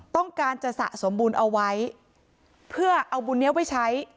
ต้องการจะสะสมบูรณ์เอาไว้เพื่อเอาบุญนี้ไว้ใช้